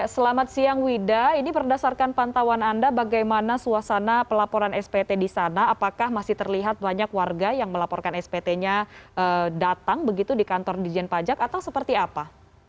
selamat siang wida ini berdasarkan pantauan anda bagaimana suasana pelaporan spt di sana apakah masih terlihat banyak warga yang melaporkan spt nya datang begitu di kantor dijen pajak atau seperti apa